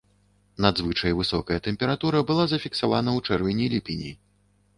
Надзвычай высокая тэмпература была зафіксавана ў чэрвені-ліпені.